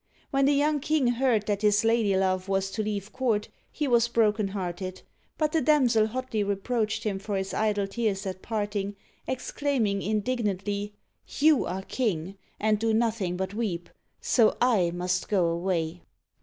When the young king heard that his ladylove was to leave court, he was broken hearted; but the damsel hotly reproached him for his idle tears at parting, ex claiming indignantly, You are king, and do nothing but weep, so / must go away